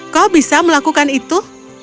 kau bisa melakukan itu